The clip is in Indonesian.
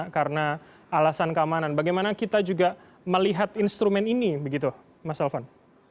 karena alasan keamanan bagaimana kita juga melihat instrumen ini begitu mas alvan